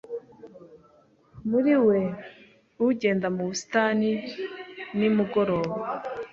Muri we ugenda mu busitani nimugoroba